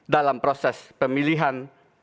dalam proses pemilihan